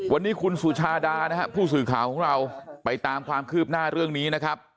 วันนี้คุณสุชาดานะครับผู้สื่อข่าวของเราไปตามความคืบหน้าเรื่องนี้นะครับ